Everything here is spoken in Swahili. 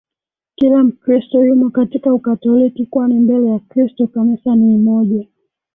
kila Mkristo yumo katika Ukatoliki kwani mbele ya Kristo Kanisa ni moja